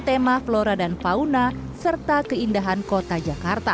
tema flora dan fauna serta keindahan kota jakarta